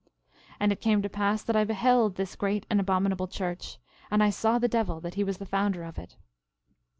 13:6 And it came to pass that I beheld this great and abominable church; and I saw the devil that he was the founder of it.